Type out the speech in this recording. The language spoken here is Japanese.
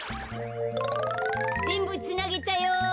ぜんぶつなげたよ。